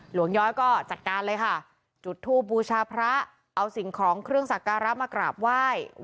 ย้อยก็จัดการเลยค่ะจุดทูบบูชาพระเอาสิ่งของเครื่องสักการะมากราบไหว้